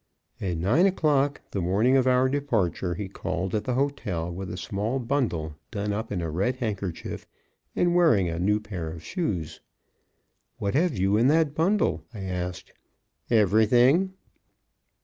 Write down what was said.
At nine o'clock the morning of our departure, he called at the hotel with a small bundle done up in a red handkerchief, and wearing a new pair of shoes. "What have you in that bundle?" I asked. "Everything."